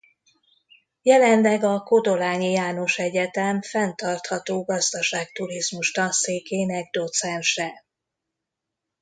Jelenleg a Kodolányi János Egyetem Fenntartható Gazdaság Turizmus Tanszékének docense.